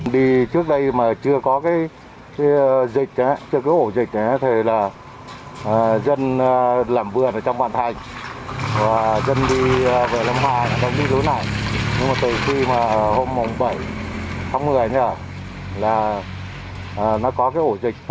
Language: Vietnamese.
đi trước đây mà chưa có cái dịch chưa có hổ dịch